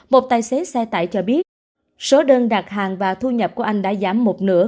một tài xế xe tải cho biết số đơn đặt hàng và thu nhập của anh đã giảm một nửa